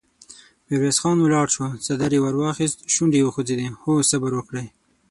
ميرويس خان ولاړ شو، څادر يې ور واخيست، شونډې يې وخوځېدې: هو! صبر وکړئ!